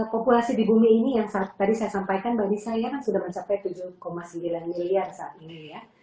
populasi di bumi ini yang tadi saya sampaikan bagi saya kan sudah mencapai tujuh sembilan miliar saat ini ya